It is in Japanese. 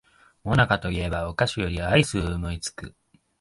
もなかと言えばお菓子よりアイスを思いつく